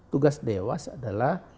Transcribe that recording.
tugas dewas adalah